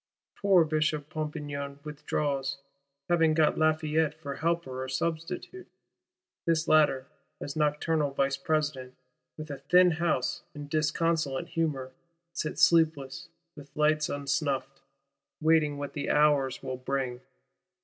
Poor Bishop Pompignan withdraws; having got Lafayette for helper or substitute: this latter, as nocturnal Vice President, with a thin house in disconsolate humour, sits sleepless, with lights unsnuffed;—waiting what the hours will bring.